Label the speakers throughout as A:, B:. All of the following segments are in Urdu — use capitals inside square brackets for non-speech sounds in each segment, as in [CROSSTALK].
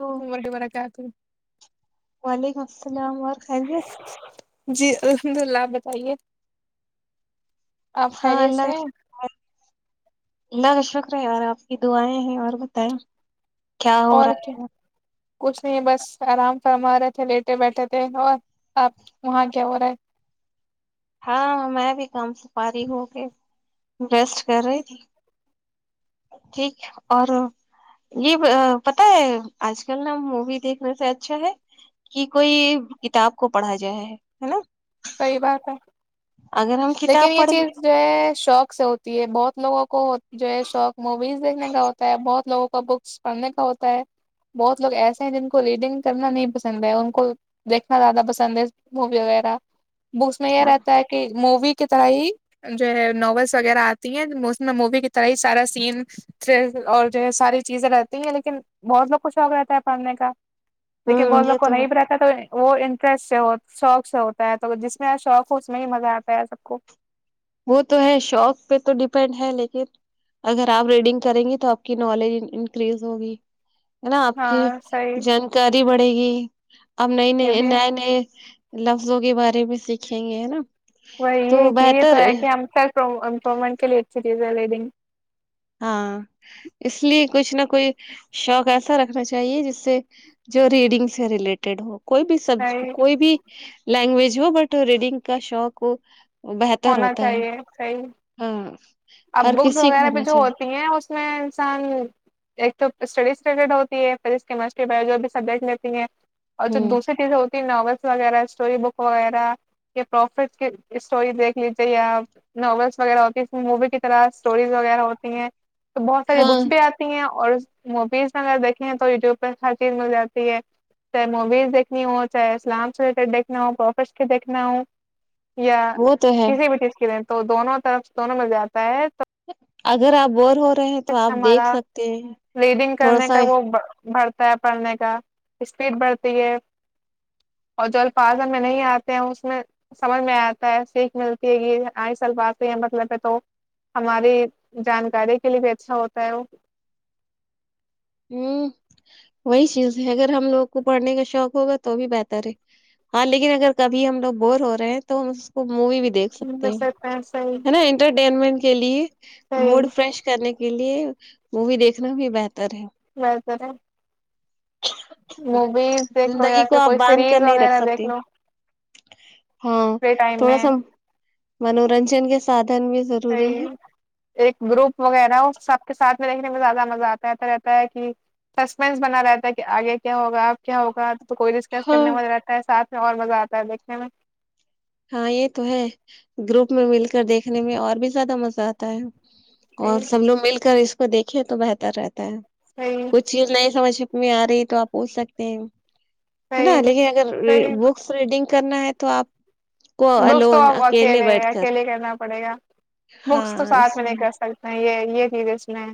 A: وعلیکم وی ورکاتہ
B: وعلیکم اور کائ گے
A: جی الحمد للہ بتائیے آپ خیریت سے
B: ہاںاش
A: ہیں
B: ے اور آپ کی دع آئےیں ہیں اور بتائیں کیا ہو
A: اور
B: رہا ہے
A: کیا کچھ نہیں بس آرام فرما رہے تھے لیٹے بیٹھے تھے اور آپ وہاں کیا ہو رہا ہے
B: ہاں میں بھی کام سپاری ہو کے انویسٹ کر رہی تھی ٹھیک اور یہ پتا ہے آج کل نا مووی دیکھنے سے اچھا ہے کہ کوئی کتاب کو پڑھا جائے ہے ہے نا
A: صحیح بات ہے
B: اگر ہم
A: لیکن
B: کتاب
A: یہ
B: پڑھیں گے
A: چیز جو ہے شوق سے ہوتی ہے بہت لوگوں کو جو ہے شوق موویز دیکھنے کا ہوتا ہے بہت لوگوں کو بکس پڑھنے کا ہوتا ہے بہت لوگ ایسے ہیں جن کو ریڈنگ کرنا نہیں پسند ہے ان کو دیکھنا زیادہ پسند ہے مووی وغیرہ بکس میں یہ رہتا ہے کہ مووی کی طرح ہی جو ہے ناولس وغیرہ آتی ہیں اس میں مووی کی طرح ہی سارا سین تھرل اور جو ہے ساری چیزیں رہتی ہیں لیکن بہت لوگ کو شوق رہتا ہے پڑھنے کا لیکن وہ
B: ہوں
A: لوگ
B: یہ
A: کو
B: تو ہے
A: نہیں بھی رہتا تو وہ فس سے ہو شوکس ہوتا ہے تو جس میں شوق ہو اس میں ہی مزہ آتا ہے سب کو
B: وہ تو ہے شوق پہ تو ڈیپینڈ ہے لیکن اگر آپ ریڈنگ کریں گی تو آپ کی نالج انکریز ہوگی ہے نا آپ کی
A: ہاں صحیح
B: جانکاری بڑ بے گ ا نہیں
A: یہ
B: نہیں
A: بھی
B: ن نہیں لفظوں کے بارے میں سیکھیں گے ہے نا
A: وہ
B: تو
A: یہ
B: بہتر
A: کہ کہ ہم پومنٹ کے لیے ایکرییز لے دن
B: ہاں اس لیے کچھ نہ کوئی شوق ایسا رکھنا چاہیے جس سے جو ریڈنگ سے ریلیٹڈ ہو کوئی بھی سب
A: صحیح
B: کوئی بھی لینگویج جوو بٹ ریڈنگ کا شاک وہ بہتر
A: ہونا
B: ہوتا ہے
A: چاہیے صحیح
B: ہاں
A: اب
B: ہر
A: بکس
B: کسی کو
A: وغیرہ
B: ہونا
A: پہ
B: چاہیے
A: ہوتی ہیں اس میں انسان ایک تو تو اسٹڈیز ری ہوتی ہے فس کیسٹری جو بھی سبجیکٹ لیتی ہیں اور جب
B: ہ
A: دوسرری چیزیں ناولس وغیرہ اسٹوری بک وغیرہ یا پروفٹ کی اسٹوری دیکھ لیجے یا ناولس وغیرہ ہوتی مووی کی طرح اسٹوریز وغیرہ ہوتی ہیں تو بہت ساری
B: ہاں
A: بکس بھی آتی ہیں اور موویز میں اگر دیکیں ہیں تو یوٹیوب پہ ہر چیز مل جاتی ہے چاہے موویز دیکھنی ہو چاہے اسلام سے رلی دیکھنا ہو پروفش کے دیکھنا ہو یا
B: وہ تو ہے
A: کسی بھی چیز کی ر تو دونوں طرف دونوں مل جاتے پچ [UNINTELLIGIBLE]
B: اگر آپ بور ہو رہے ہیں تو آپ دیکھ
A: ہمارا
B: سکتے ہیں
A: رڈنگ
B: تھوڑا
A: کرنے
B: سا
A: کا وہ بڑ تا پڑھنے کا اسپیڈ بڑھتی ہے اور جو الفاظ ہم میں نہیں آتے ہیں اس میں سمجھ میں آتا ہے سیکھ ملتی ہے کہ آئس الفاازظ یہ مطلب ہے تو ہماری جانکاری کے لیے بھی اچھا ہوتا ہے وہ
B: ہ وہی چیز ہے اگر ہم لوگ کو پڑھنے کا شوق ہوگا تو بھی بہتر ہے ہاں لیکن اگر کبھی ہم لوگ بور ہو رہے ہیں تو ہم اس کو مووی بھی دیکھ سکتے ہیں نا انٹر [UNINTELLIGIBLE] مٹ کے لی [UNINTELLIGIBLE]
A: صحیح
B: موڈ فریش کرنے کے کے لیے مووی دیکھنا بھی بہتر ہے
A: ل سرا [UNINTELLIGIBLE] موویز دیکھ لو یا
B: زندگی کو
A: پھر
B: آپ
A: کوئی سیریز وغیرہ دیکھ لو
B: ہ [UNINTELLIGIBLE] ہاں
A: فری ٹائم
B: تھوڑا
A: میں
B: سا منورنج ن کے ساتھ
A: صحی ایک گروپ وغیرہ سب کے ساتھ دیکھنے میں زیادہ مزہ آتاتا رہتا ہے کہ سسپینس بنا رہتا ہے کہ آگے کیا ہوگا اب کیا ہوگا تو کوئی ڈسکس
B: ہاں
A: کرنے م رہتا ہے سات اور مزہ آتا ہے دیکھنے میں
B: ہاں یہ تو ہے گروپ میں مل کر دیکھنے میں اور بھی زیادہ مزہ آتا ہے
A: صحیح
B: اور سب لوگ مل کر اس کو کو دیکھے تو بہتر رہتا ہے
A: صحیح
B: کئی چیز نہیں سمجھ میں آ رہی ہے تو آپ پوچھ سکتے ہیں ہے نا
A: صحیح
B: لیکن اگر
A: صحیح
B: بکس ریڈنگ کرنا ہے تو آپ کو
A: بکس تو
B: الون
A: اکیلے
B: بیٹھ کر
A: اکیلے کرنا پڑے گا بکس تو
B: ہاں
A: ساتھ
B: اس
A: میں نہیں
B: لیے
A: کر سکتے یہ یہ کیزے اس میں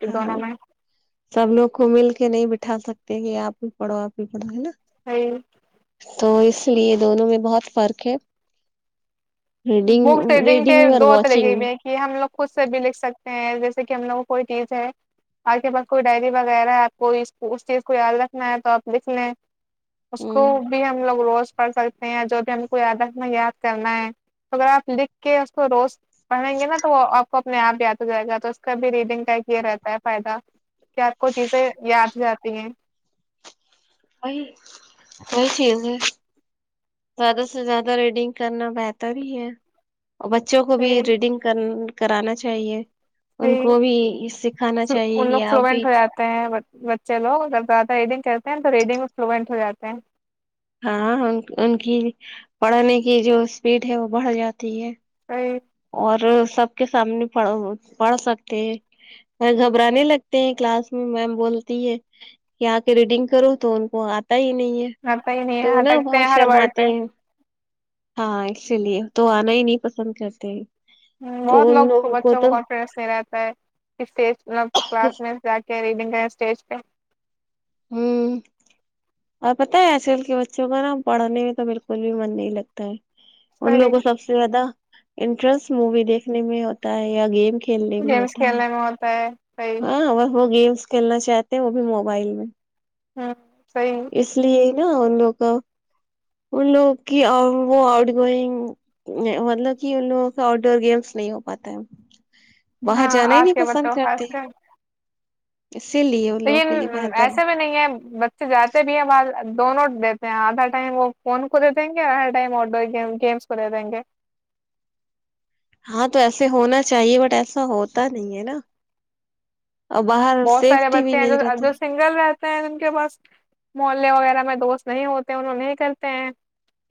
A: کے
B: ہاں
A: دونوں میں
B: سب لوگ کو مل کے نہیں بٹھا سکتے کہ آپ پڑو آپ پڑو ہے نا
A: ساہی
B: تو اس لیے دونوں میں بہت فرق ہے
A: بک ریڈنگ کے
B: میں اور
A: دو طریقے
B: واچنگ میں
A: بھی ہیں کہ ہم لوگ خود سے بھی لکھ سکتے ہیںیس جس کہ ہم لوگوں کوئی چیز ہے آپ کے پاس کوئی ڈائری وغیرہ ہے آپ کو اس چیز کو یاد رکھنا ہے تو آپ لکھ لیں اس کو
B: ہوں
A: بیم لگ رہو پڑھ سکتے ہیں جو بھی ہم کو یادکھنا یاد کرنا ہے اگر آپ لکھ کے اس کو روز پڑھیں گے نا تو وہپ کو اپنے آپ یاد ہو جائے گا تو اس کا بھی ریڈنگ ائ یہ رہتا ہے فائدہ کیا آپ کو چیزیں یاد جاتی ہیں
B: وہی وہی چیز ہے زیادہ سے زیادہ ریڈنگ کرنا بہتر ہی ہے اور بچوں کو بھی
A: صحیح
B: ریڈنگ کر کرانا چاہیے ان کو بھی سکھانا چاہیے
A: ان لوگ
B: کہ آپ بھی
A: فلوینٹ ہو جاتے ہیں بچے لوگ اینگ تو ریڈنگ میں فلوئینٹ ہو جاتے ہیں
B: ہاں ان کی پڑھنے کی جو اسپیڈ ہے وہ بڑھ جاتی ہے
A: ج
B: اور سب کے سامنے پڑھ سکتے ہیں گھبرانے لگتے ہیں کلاس میں میم بولتی ہے کہ آ کے ریڈنگ کرو تو ان کو آ پ ہی نہیں ہے
A: آتا ہی نہیں
B: تو
A: ہے
B: نا
A: اٹکتے ہیں
B: بہت
A: ہر
B: شرم
A: ورڈ پہ
B: آتے ہیں ہاں اسی لیے تو آنا ہی نہیں پسند کرتے کہ
A: بہت لوگ کو بچوں کو کانفیڈینس نہیں رہتا ہے کہ اسٹیج مب کلاس میں جا کے ریڈنگ کریں اسٹیج پہ
B: ہوں اور پت ہے آج کل کے بچوں کا نا پڑھنے میں تو بالکل بھی من نہیں لگتا ہے ان
A: صحیح
B: لوگوں سب سے زیادہ انٹرسٹ مووی دیکھنے میں ہوتا ہے یا گیم کھیلنے میں
A: گیمس
B: ہوتا ہے
A: کھیلنے میں ہوتا ہے صحیح
B: ہاں وہ ہو گی کلنا چاہتے ہیں وہ بھی موبائل میں
A: ہوں سی [UNINTELLIGIBLE]
B: ن ان لوگ کا ان لوگوں کی وہ آؤٹ گوئنگ مطلب کہ ان لوگوں کا آؤٹ ڈور گیمس نہیں ہو پاتا ہے باہر
A: ہاں
B: جانا ہی
A: آج
B: نہیں
A: کے
B: پسند
A: بچوں کو خاص
B: کرتے
A: کر
B: اسی لیے وہ
A: تو
B: لوگوں کے لیے
A: یہ
B: بہتر ہے
A: ایسے بھی نہیں بچے جاتے بھی ہیں ب دونوں دیتے ہیں آدھا ٹائم وہ فون کھلے دیں گے اور ہر ٹائم آٹ ڈور گیمس کھلے دیں گے
B: ہاں تو ایسے ہونا چاہیے بٹ ایسا ہوتا نہیں ہے نا اور باہر
A: بہت سارے
B: سیفٹی بھی
A: بچتےے
B: نہیں
A: ہیں جو
B: رہتی
A: سنگل رہتے ان کے پاس محلے وغیرہ میں دوست نہیں ہوتے ان نہیں کرتے ہیں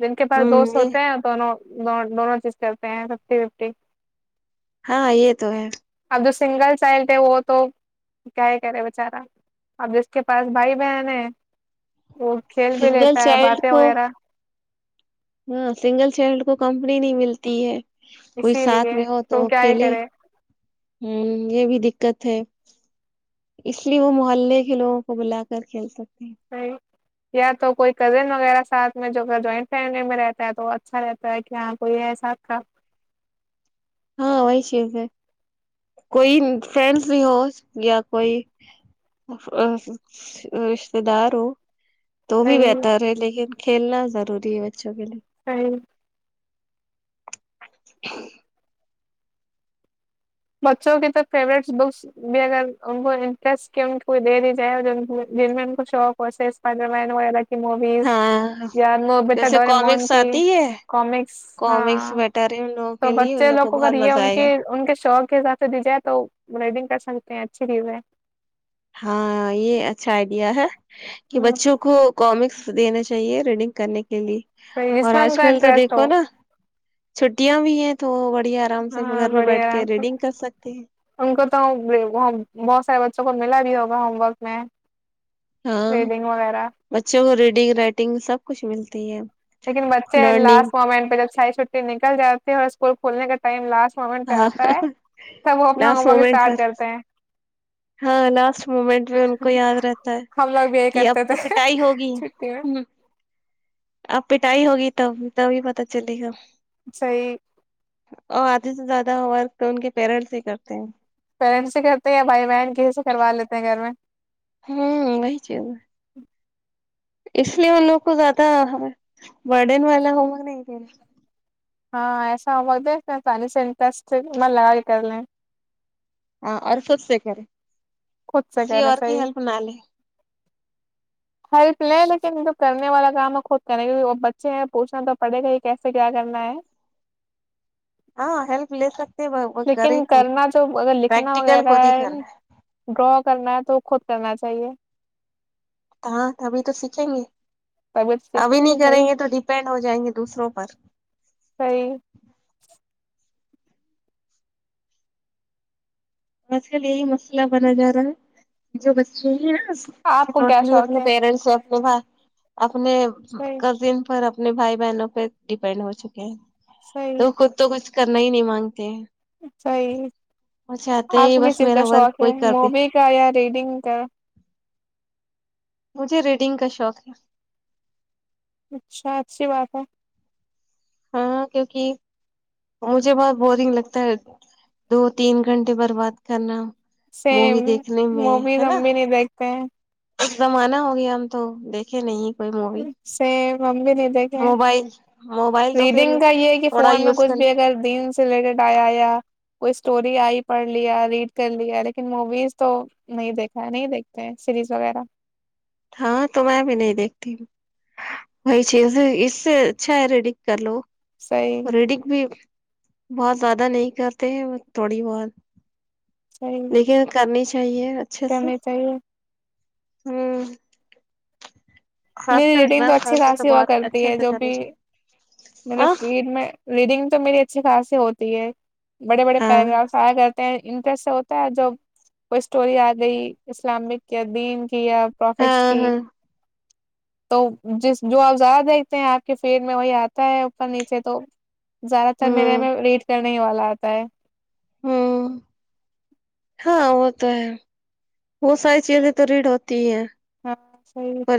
A: جن کے پاس
B: ہوں
A: دوست
B: یہ
A: ہوتے ہیں دونوں دونوں چیز کرتے ہیں ففٹی ففٹی
B: ہاں یہ تو ہے [UNINTELLIGIBLE]
A: ا جو سنگل چائلڈ ہے وہ تو کیا ہی کرے بچارا اب جس کے پاس بھائی بہن ہے وہ کھیل بھی
B: سنگل
A: لیتا ہے
B: چائلڈ
A: باتیں
B: کو
A: وغیرہ
B: ہاں سنگل چائلڈ کو کمپنی نہیں ملتی ہے کوئی
A: اسی
B: ساتھ
A: لیے
B: میں ہو تو
A: کیا ہی
B: کھیلے
A: کرے
B: ہ یہ بھی دکھ دقت ہے اس لیے وہ محلے کے لوگوں کو بلا کر کھیلتا
A: ی یا تو کوئی کزن وغیرہ ساتھ میں جو جوائنٹ فیملی میں رہتا ہے تو اچھا رہتا ہے کہ ہاں کوئی ہے ساتھ کا
B: ہاں وہی چیز ہے کوئی فرینڈس بھی ہو یا کوئی رشتے دار ہو تو بھی
A: صحیح
B: بہتر ہے لیکن کھیلنا ضوری ہے اچو کے لیے
A: صحیح
B: [UNINTELLIGIBLE] ہ [INAUDIBLE]
A: بچوں کی تو فیوریٹس بکس بھی اگر ان کو انٹرسٹ ان کو دے دی جائے جن میں ان شوق ہوی وغہ موویز
B: ہاں
A: یا متا
B: جیسے
A: ڈورمون
B: کامکس
A: کی
B: آتی ہے
A: کامکس
B: کامکس
A: ہاں
B: بیٹر ہے ان لوگوں
A: تو
B: کے لیے ان
A: بچے
B: لوگ کو
A: لوگوں کا
B: بہت مزہ
A: ان
B: آئے
A: کے
B: گا
A: ان کے شوق دی جائے تو رائڈنگ کر سکتے ہیں اچھی دی ہے
B: ہاں یہ اچھا آئیڈیا ہے [UNINTELLIGIBLE] کہ
A: ہوں،
B: بچوں کو کامکس دینا چاہیے رڈنگ کرنے کے لیے
A: جس
B: اور
A: میں ان
B: آج
A: کا
B: کل تو
A: انٹرسٹ ہو
B: دیکھو نا چھٹیا بھی ہیں تو بڑھیا آرام سے
A: ہاں
B: گھر میں بیٹھ
A: بڑھیا
B: کے ریڈنگ کر سکتے ہیں
A: ان کو تو بہت سارے بچوں کو ملا بھی ہوگا ہوم وورک میں [UNINTELLIGIBLE]
B: ہاں
A: ریڈنگ وغیرہ
B: بچوں کو ری گ رائٹنگ سب کچھ ملتی ہے
A: لیکن بچے
B: لرننگ
A: لاسٹ مومنٹ پہ جب چھائی چھٹی نکل جاتی ہے اور کولنے کاٹائم لاسٹ ون پہ
B: ہاں
A: آتا ہے تب وہ اپنا home
B: last
A: work
B: moment
A: start
B: پر
A: کرتے ہیں
B: ہاں لاسٹ مومنٹ میں ان کو یاد رہتا ہے
A: ہم لوگ بھی یہی
B: کہ اب
A: کرتے تھے
B: تو پٹائی ہوگی
A: چھٹی میں
B: اب پٹائی ہوگی تب تبھی پتا چلے گا
A: صی
B: اور آدھی سے زیادہ ہو ورک تو ان کے پیرنٹس ہی کرتے ہیں
A: پیرنٹس کیا یا بھائی بہن کیسے کروا لیتے ہیں گھر میں
B: ہوں وہی چ ہے اس لیے ان لوگ کو زیادہ رڈن والا ہوگا نہیں
A: ہاں ایسا ہو م د سس م لگا کرنے
B: ہاں اور خود سے کریں
A: خود سے
B: کسی
A: کریں
B: اور کی
A: صحیح
B: ہیلپ نہ لے
A: ہیلپ لیں لیکن جو کرنے والا کام ہے خود کرنا کیکہ وہ بچے ہیں پوچھنا تو پڑھے گا یہ کیسے کیا کرنا ہے
B: ہاں ہیلپ لیس
A: لیکن کرنا جو اگر لکھنا
B: پریکٹیکل
A: وغیرہ
B: خود ہی
A: ہے
B: کرنا
A: ڈرا کرنا ہے تو خود کرنا چاہیے
B: ہ ابھی تو سیکھیں گے
A: طبیعت
B: ابھی
A: سیکھیں
B: نہیں کریں
A: صحیح
B: گے تو ڈیپینڈ ہو جائیں گے دوسروں پر
A: صحیح
B: آج کل یہی مسئلہ بنا جا رہا ہے جو بچے ہیں
A: آپ کو کیا
B: ٹوٹلی
A: شوق
B: اپنے
A: ہے
B: پیرنٹس توب آپ اپنے
A: صحیح
B: کزن پر اپنے بھائی بہنوں پہ ڈیپینڈ ہو چکے ہیں تو خود تو کچھ کرنا ہی نہیں مانگتے ہیں
A: صی
B: وہ چاہتے
A: آ
B: ہیں
A: کسی
B: بس
A: چیز کا
B: میرا
A: شوق
B: ورک
A: ہے
B: کوئی کر دے
A: مووی کا یا ریڈنگ کا
B: مجھے ریڈنگ کا شوق ہے
A: اچھا اچھی بات ہے
B: ہاں کیونکہ مجھے بہت بورنگ لگتا ہے دو تین گھنٹے برباد کرنا
A: سیم
B: مووی دیکھنے میں
A: وہ بھی ہم
B: ہے
A: ہم
B: نا
A: بھی نہیں دیکھتے ہیں
B: ایک دمان ہوگیا ہم تو دیکھے نہیں م
A: سیم ہم بھی نہیں دیکھے ہیں
B: موبائل موبائل تو پھر
A: ریڈنگ کا یہ ہے کہ
B: تھوڑا
A: فون میں
B: یوز
A: کچھ
B: کر
A: بھی
B: لو
A: اگر دین سے ریلیٹڈ آیا یا کوئی اسٹوری آئی پڑھ لیا ریڈ کر لیا لیکن موویز تو نہیں دیکھا ہے نہیں دیکھتے ہیں سیریز وغیرہ
B: ہاں تو میں بھی نہیں دیکھتی ہ وہی چیز اس سے اچھا ہے ریڈک کر لو
A: صحیح
B: اوریڈک بھی بہت زیادہ نہیں کرتے ہیں وہ تھوڑی بہت لیکن کر نی [INAUDIBLE] چاہیے [INAUDIBLE]
A: کرنے چاہیے [UNINTELLIGIBLE]
B: ہوں [UNINTELLIGIBLE] خاص
A: میری
B: کر
A: ریڈنگ تو
B: ایگزام ٹائم
A: اچھی
B: پہ تو
A: خاصی ہوا
B: بہت
A: کرتی
B: اچھے
A: ہے
B: سے
A: جو
B: کرنی
A: بھی [UNINTELLIGIBLE]
B: چاہیے
A: میرے
B: آں
A: فیڈ میں ریڈنگ تو میری [UNINTELLIGIBLE] اچھی خاص ہوتی ہے [UNINTELLIGIBLE] بڑے بڑے
B: ہاں
A: پیراگرافس آیا کر [UNINTELLIGIBLE] انٹرسٹ سے ہوتا ہے جب کوئی اسٹوری آ گئی اسلامک دین [UNINTELLIGIBLE] کیا پروفٹس
B: ہاں
A: کی
B: ہاں
A: [UNINTELLIGIBLE] تو جس جو آپ زیادہ دیکھتے ہیں آپ کے فیر میں وہی آ [UNINTELLIGIBLE] ہے اوپر نیچے تو [INAUDIBLE] زیادہ تر میں
B: ہوں
A: نے ریٹ کر [UNINTELLIGIBLE] نہیں والا آتا ہے [INAUDIBLE]
B: ہوں ہاں وہ تو ہے بہت ساری چیزیں تو ریڑھ ہوتی ہے [UNINTELLIGIBLE]
A: ہاں صحیح یہ [INAUDIBLE]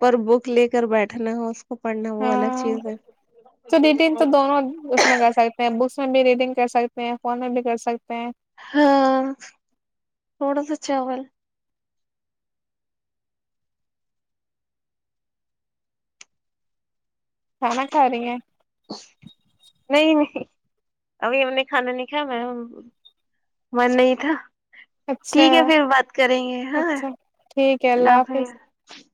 B: پر بک لے کر بیٹھنا ہو اس [UNINTELLIGIBLE] وہ الگ
A: ہاں
B: چیز ہے
A: تو نیین تو دونوں اس میں گھر ستے ہیں ابو [UNINTELLIGIBLE] میں بھی ریڈنگ کر سکتے ہیں فون میں بھی کر سکتے ہیں [UNINTELLIGIBLE]
B: ہاں تھوڑا سا [UNINTELLIGIBLE] چاول [INAUDIBLE]
A: کھانا کھا رہی ہیں [UNINTELLIGIBLE]
B: نہیں نہیں ابھی ہم نے کھانا نہیں کھایا میں من نہیں تھا [UNINTELLIGIBLE]
A: اچھا
B: ٹھیک ہے پھر بات کریں گے ہاں
A: اچھا ٹھیک ہے
B: اللہ حافظ [UNINTELLIGIBLE]